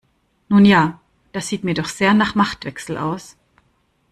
Nun ja, das sieht mir doch sehr nach Machtwechsel aus.